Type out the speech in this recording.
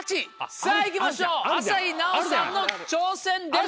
さぁ行きましょう朝日奈央さんの挑戦です。